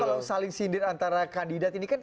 kalau saling sindir antara kandidat ini kan